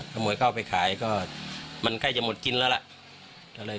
ขโมยเข้าไปขายก็มันใกล้จะหมดกินแล้วล่ะ